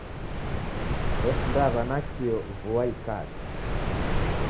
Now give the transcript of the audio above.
W'esindaw'a nakio vua ikacha.